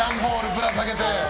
ぶら下げて。